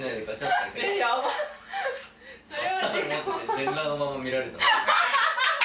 全裸のまま見られた。